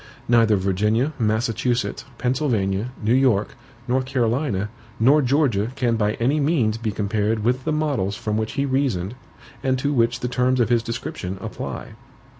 Neither Virginia, Massachusetts, Pennsylvania, New York, North Carolina, nor Georgia can by any means be compared with the models from which he reasoned and to which the terms of his description apply.